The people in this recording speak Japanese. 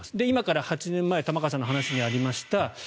今から８年前玉川さんの話にありました